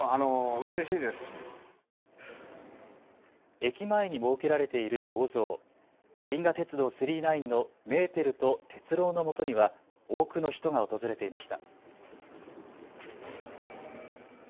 駅前に設けられている銅像、銀河鉄道９９９のメーテルと鉄郎のもとには多くの人が訪れていました。